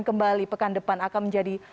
kembali pekan depan akan menjadi